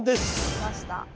きました！